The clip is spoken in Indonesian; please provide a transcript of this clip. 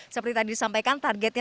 seperti tadi disampaikan targetnya